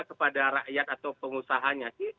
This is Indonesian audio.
kepada rakyat atau pengusahanya